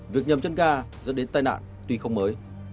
việc nhầm chân ga dẫn đến tai nạn tuy không mới